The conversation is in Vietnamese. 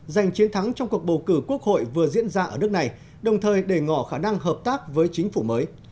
giành chiến thắng trong cuộc bầu cử quốc hội vừa diễn ra ở nước này đồng thời để ngỏ khả năng hợp tác với chính phủ mới